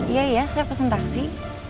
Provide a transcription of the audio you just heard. iya ya saya pesen taksi